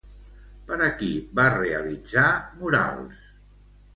Per a qui va realitzar murals?